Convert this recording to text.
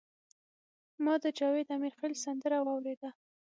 ما د جاوید امیرخیل سندره واوریده.